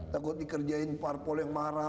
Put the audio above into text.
takut dikerjain parpol yang marah